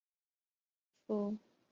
出生于台湾新北市土城区。